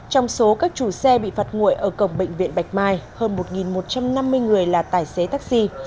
trong số các chủ xe bị phạt nguội ở cổng bệnh viện bạch mai hơn một một trăm năm mươi người là tài xế taxi